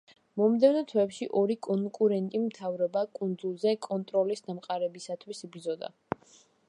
მომდევნო თვეებში ორი კონკურენტი მთავრობა კუნძულზე კონტროლის დამყარებისათვის იბრძოდა.